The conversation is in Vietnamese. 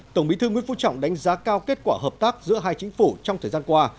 tổng bí thư nguyễn phú trọng đánh giá cao kết quả hợp tác giữa hai chính phủ trong thời gian qua